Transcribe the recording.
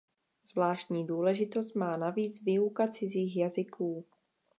Zvláštní důležitost má navíc výuka cizích jazyků.